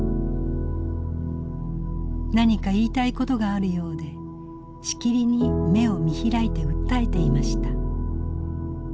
「何か言いたい事があるようでしきりに目を見開いて訴えていました。